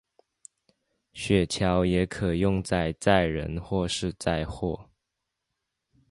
雪橇也可用在载人或是载货。